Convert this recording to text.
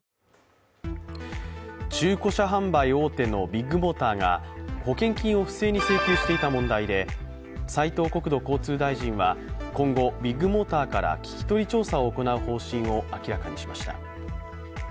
中古車販売大手のビッグモーターが保険金を不正に請求していた問題で、斉藤国土交通大臣は今後、ビッグモーターから聴き取り調査を行う方針を明らかにしました。